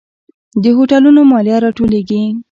د هوټلونو مالیه راټولیږي؟